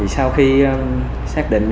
sau khi xác định